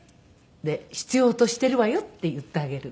で「必要としているわよ」って言ってあげる。